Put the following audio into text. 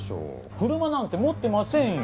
車なんて持ってませんよ。